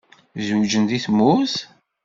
Zewǧen deg tmurt?